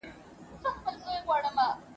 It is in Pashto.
دغو ورانو خرابو کي ..